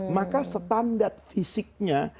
maka standar fisiknya